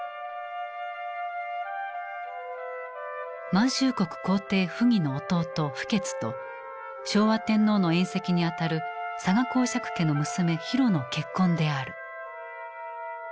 満州国皇帝溥儀の弟溥傑と昭和天皇の縁戚にあたる嵯峨侯爵家の娘浩の結婚である。